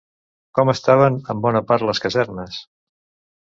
Com estaven en bona part les casernes?